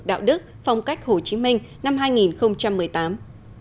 đạo đức phong cách hồ chí minh năm hai nghìn một mươi tám